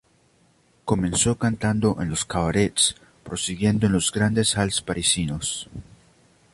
Comenzó cantando en los cabarets, prosiguiendo en los grandes halls parisinos.